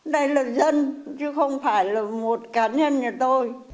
đây là dân chứ không phải là một cá nhân nhà tôi